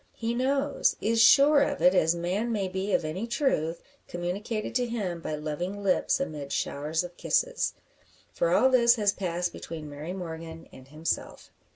He knows is sure of it, as man may be of any truth, communicated to him by loving lips amidst showers of kisses. For all this has passed between Mary Morgan and himself.